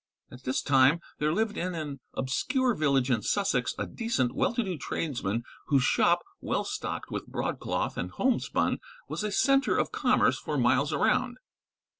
At this time there lived in an obscure village in Sussex a decent, well to do tradesman, whose shop, well stocked with broadcloth and homespun, was a centre of commerce for miles around.